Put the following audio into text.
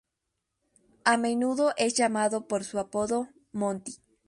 A menudo es llamado por su apodo 'Monty'.